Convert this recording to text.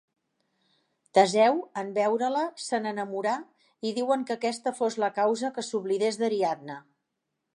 Teseu, en veure-la, se n'enamorà i diuen que aquesta fou la causa que s'oblidés d'Ariadna.